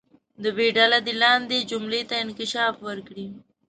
د ب ډله دې لاندې جملې ته انکشاف ورکړي.